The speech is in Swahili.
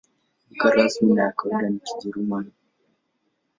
Lugha rasmi na ya kawaida ni Kijerumani.